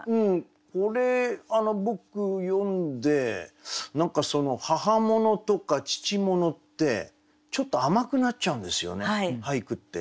これ僕読んで何かその母物とか父物ってちょっと甘くなっちゃうんですよね俳句って。